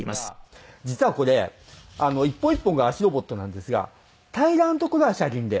実はこれ１本１本が脚ロボットなんですが平らな所は車輪で。